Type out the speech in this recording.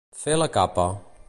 Fer la capa.